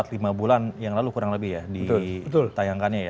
kalau itu empat lima bulan yang lalu kurang lebih ya di tayangkannya ya